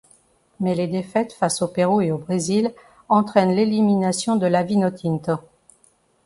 Mais les défaites face au Pérou et au Brésil entraînent l'élimination de La Vinotinto.